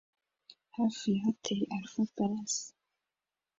hafi ya Hotel Alpha Palace